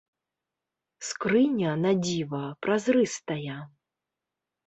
Скрыня, на дзіва, празрыстая.